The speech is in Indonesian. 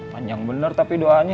panjang bener tapi doanya